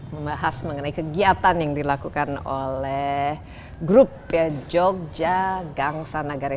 membahas mengenai kegiatan yang dilakukan oleh grup jogja gangsa nagari